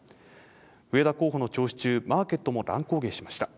植田候補の聴取中、マーケットも乱高下しました。